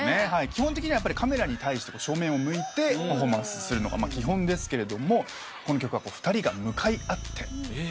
基本的にはカメラに対して正面を向いてパフォーマンスするのが基本ですけれどもこの曲は２人が向かい合ってばしばしにパフォーマンスしてる。